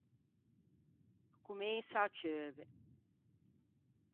Comensa à ceuve!